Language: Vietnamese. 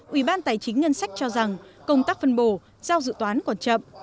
ủy ban tài chính ngân sách cho rằng công tác phân bổ giao dự toán còn chậm